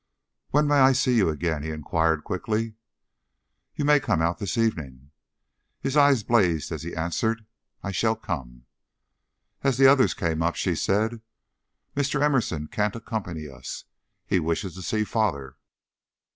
"When may I see you again?" he inquired, quickly. "You may come out this evening." His eyes blazed as he answered, "I shall come!" As the others came up, she said: "Mr. Emerson can't accompany us. He wishes to see father."